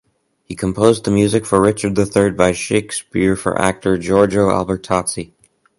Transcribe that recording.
He composed the music for Richard the third by Shakespeare for actor Giorgio Albertazzi.